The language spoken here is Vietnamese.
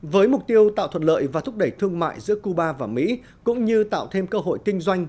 với mục tiêu tạo thuận lợi và thúc đẩy thương mại giữa cuba và mỹ cũng như tạo thêm cơ hội kinh doanh